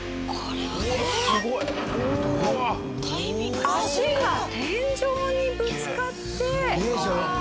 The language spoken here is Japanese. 足が天井にぶつかって板が落下。